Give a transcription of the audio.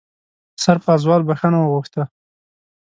سرپازوال بښنه وغوښته.